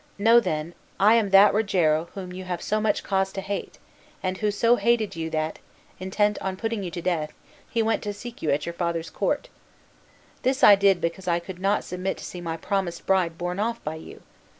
Know, then, I am that Rogero whom you have so much cause to hate, and who so hated you that, intent on putting you to death, he went to seek you at your father's court. This I did because I could not submit to see my promised bride borne off by you.